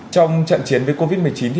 trong trận chiến với covid một mươi chín